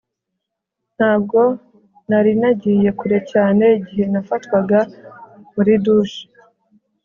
Ntabwo nari nagiye kure cyane igihe nafatwaga muri douche